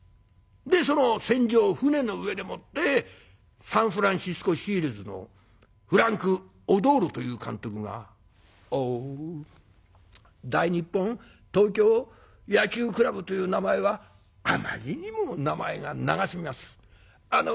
その船上船の上でもってサンフランシスコ・シールズのフランク・オドールという監督が「オウ大日本東京野球クラブという名前はあまりにも名前が長すぎます。